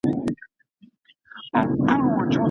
قلمي خط د ژوند د مانا د موندلو سره مرسته کوي.